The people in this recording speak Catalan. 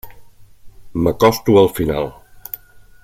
M'acosto al final.